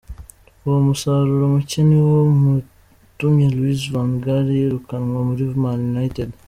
Uwo musaruro mucye niwo utumye Louis Van Gaal yirukanwa muri Man United.